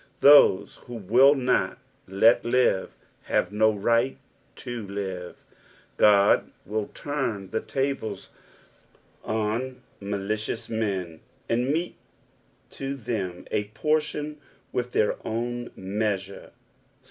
Those who will not "let live" have no right to "live." God will turn the tables on malicious men, and mete to them a portion with their own meaaure.